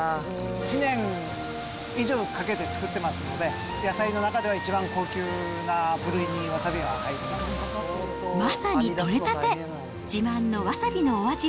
１年以上かけて作ってますので、野菜の中では一番高級な部類に、まさに取れたて、自慢のわさ